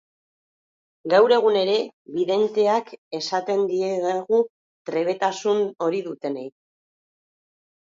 Gaur egun ere, bidenteak esaten diegu trebetasun hori dutenei.